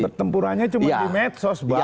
pertempurannya cuma di medsos bang